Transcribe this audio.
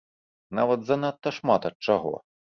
Нават занадта шмат ад чаго.